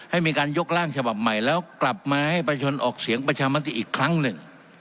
ให้มีการยกร่างฉบับใหม่แล้วกลับมาให้ประชนออกเสียงประชามติอีกครั้งหนึ่ง